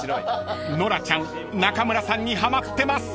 ［ノラちゃん中村さんにはまってます］